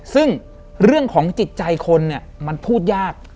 ซึ่งเรื่องของจิตใจคนเนี่ยมันพูดยาก